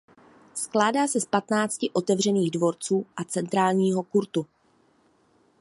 Skládá se z patnácti otevřených dvorců a centrálního kurtu.